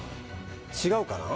違うかな？